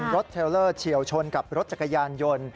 เทลเลอร์เฉียวชนกับรถจักรยานยนต์